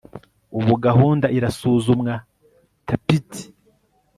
ubu gahunda irasuzumwa. (tappity